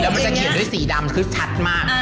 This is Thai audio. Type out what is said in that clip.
มันจะเขียนด้วยสีดำคือชัดมาก